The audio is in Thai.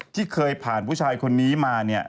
ที่เคยผ่านผู้ชายคนนี้มาเนี่ย